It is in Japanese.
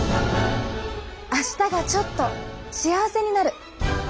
明日がちょっと幸せになる！